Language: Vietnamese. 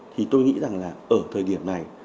thì tôi nghĩ rằng là ở thời điểm này